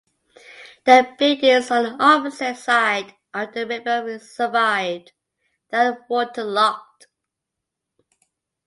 The buildings on the opposite side of the river survived, though waterlogged.